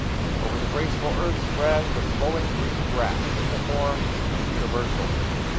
Over the graceful earth spreads the flowing green grass, uniform and universal.